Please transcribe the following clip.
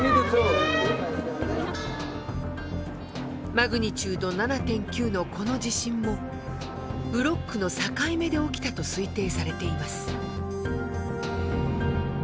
マグニチュード７．９のこの地震もブロックの境目で起きたと推定されています。